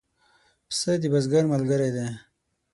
پسه د بزګر ملګری دی.